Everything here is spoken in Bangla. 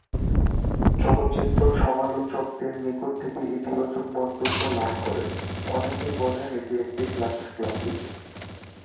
চলচ্চিত্র সমালোচকদের নিকট থেকে ইতিবাচক মন্তব্য লাভ করে, অনেকেই বলেন এটি একটি কাল্ট ক্লাসিক।